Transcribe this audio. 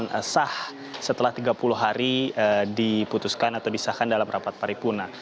yang sah setelah tiga puluh hari diputuskan atau disahkan dalam rapat paripurna